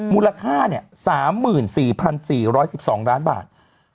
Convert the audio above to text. มูลค่าเนี่ย๓๔๔๑๒ล้านบาท